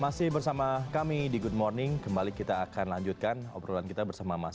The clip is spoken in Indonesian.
masih bersama kami di good morning kembali kita akan lanjutkan obrolan kita bersama mas